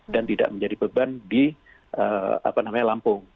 dan tidak menjadi beban di lampung